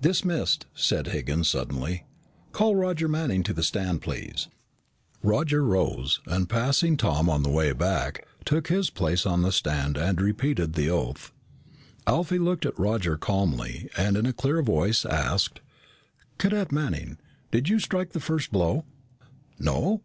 "Dismissed," said Higgins suddenly. "Call Roger Manning to the stand, please." Roger rose, and passing Tom on the way back, took his place on the stand and repeated the oath. Alfie looked at Roger calmly and in a clear voice asked, "Cadet Manning, did you strike the first blow?" "No."